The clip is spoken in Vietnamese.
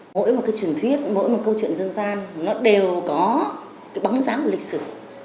mỗi một cái truyền thuyết mỗi một câu chuyện dân gian nó đều có cái bóng dáng của lịch sử